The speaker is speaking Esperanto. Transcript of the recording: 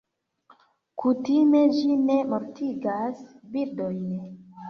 Kutime ĝi ne mortigas birdojn.